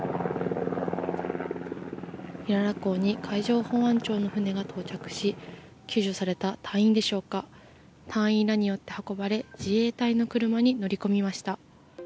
平良港に海上保安庁の船が到着し救助された隊員でしょうか隊員らによって運ばれ自衛隊の車に乗り込みました。